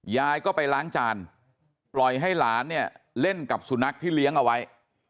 ยายก็ไปล้างจานปล่อยให้หลานเนี่ยเล่นกับสุนัขที่เลี้ยงเอาไว้